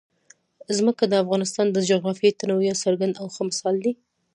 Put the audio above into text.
ځمکه د افغانستان د جغرافیوي تنوع یو څرګند او ښه مثال دی.